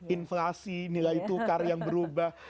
inflasi nilai tukar yang berubah